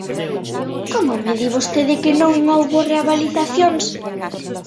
¿Como me di vostede que non houbo reavaliacións?